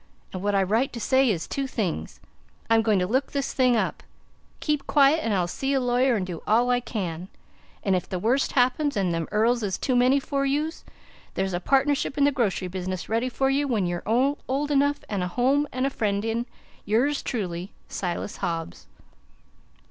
And what I write to say is two things. Im going to look this thing up. Keep quiet and Ill see a lawyer and do all I can And if the worst happens and them earls is too many for us theres a partnership in the grocery business ready for you when yure old enough and a home and a friend in "Yrs truly, "SILAS HOBBS."